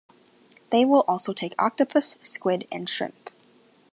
They will also take octopus, squid and shrimp.